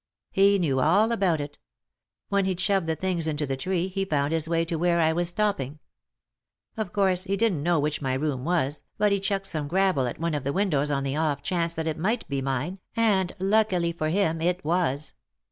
He knew all about it. When he'd shoved the things into the tree he found his way to where I was stopping. Of course he didn't know which my room was, but he chucked some gravel at one of the windows on the off chance that it might be mine, and 104 3i 9 iii^d by Google THE INTERRUPTED KISS luckily for him it was.